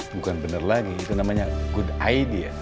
bukan bener lagi itu namanya good idea